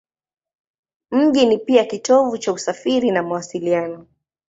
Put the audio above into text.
Mji ni pia kitovu cha usafiri na mawasiliano.